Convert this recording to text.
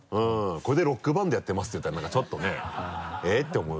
これでロックバンドやってますって言ったら何かちょっとね「えっ」て思う